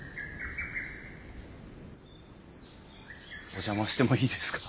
お邪魔してもいいですか？